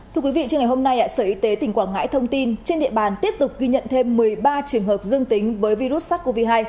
thưa quý vị trưa ngày hôm nay sở y tế tỉnh quảng ngãi thông tin trên địa bàn tiếp tục ghi nhận thêm một mươi ba trường hợp dương tính với virus sars cov hai